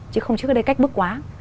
chứ không trước đây cách bước quá